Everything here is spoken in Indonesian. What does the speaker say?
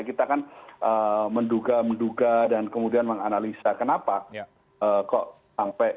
kita kan menduga menduga dan kemudian menganalisa kenapa kok sampai